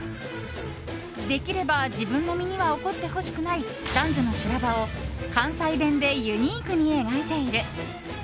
できれば自分の身には起こってほしくない男女の修羅場を関西弁でユニークに描いている。